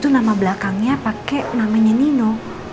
nama belakangnya pakai namanya nino